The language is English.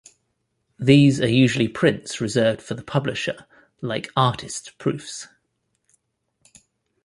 These are usually prints reserved for the publisher, like Artist's Proofs.